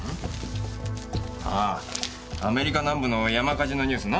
あぁアメリカ南部の山火事のニュースな。